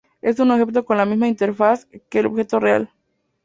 Es un objeto con la misma interfaz que el objeto real.